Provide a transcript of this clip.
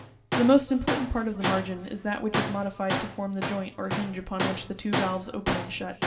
The most important part of the margin is that which is 100 PARTS OF BIVALVE SHELLS. modified to form the joint or hinge upon which the two valves open and shut.